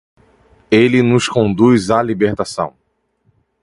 Ele nos conduz à libertação